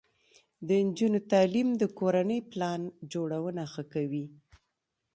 د نجونو تعلیم د کورنۍ پلان جوړونه ښه کوي.